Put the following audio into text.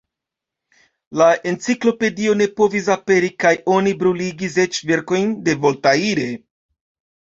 La Enciklopedio ne povis aperi kaj oni bruligis eĉ verkojn de Voltaire.